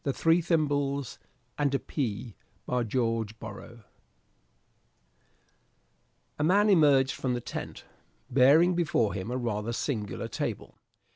THREE THIMBLES AND A PEA By GEORGE BORROW A man emerged from the tent, bearing before him a rather singular table.